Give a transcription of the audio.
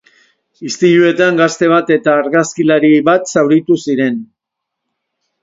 Istiluetan gazte bat eta argazkilari bat zauritu ziren.